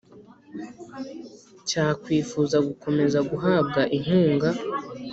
Cya kwifuza gukomeza guhabwa inkunga